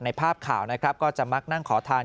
ภาพข่าวนะครับก็จะมักนั่งขอทาน